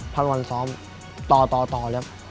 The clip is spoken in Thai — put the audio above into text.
วันซ้อมต่อแล้ว